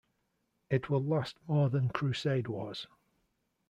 It will last more than crusade wars.